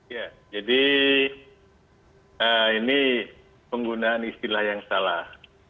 ya jadi ini penggunaan istilah yang salah